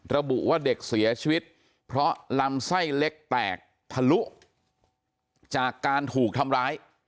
ระบุว่าเด็กเสียชีวิตเพราะลำไส้เล็กแตกทะลุจากการถูกทำร้าย